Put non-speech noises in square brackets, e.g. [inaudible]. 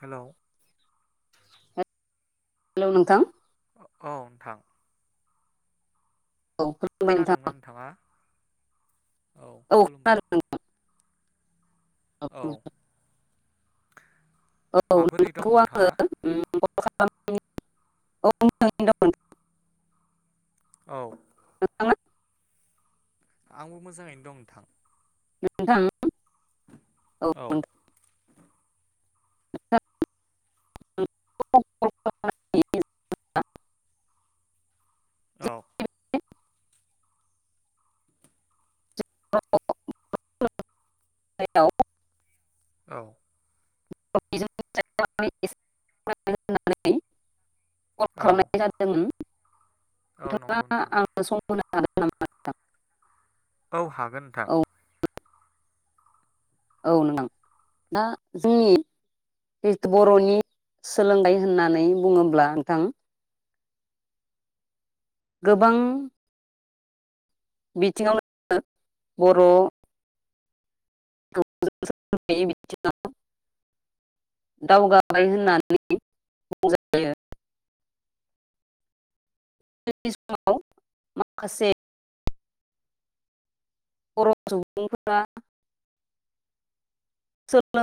Hello hello नोंथां ओऔ नोंथां औ खुलुमबाय नोंथां खोनादों ना नोंथाङा? औ खोनादों [unintelligible] औ [unintelligible] औ माबोरै दं नोंगौ नोंथाङा आङो उम [unintelligible] औ नोंथां आंबो मोजाङैनो दं नोंथां नोंथां [unintelligible] औ [unintelligible] [unintelligible] [unintelligible] औ [unintelligible] औ [unintelligible] कल खालामनाय औ जादोंमोन औ नंगौ नोंथाङा नोंथां आं सम [unintelligible] औ हागोन नोंथां। औ औ नोंदां दा जोंनि जिथु बर'नि सोलोंथाइ होननानै बुङोब्ला नोंथां गोबां बिथिङावनो बर' [unintelligible] दावगाबाय होननानै बुंजायो बे समाव माखासे बर' सुबुंफोरा [unintelligible]